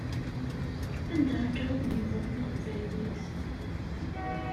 Anda akka i tlemdeḍ taqbaylit?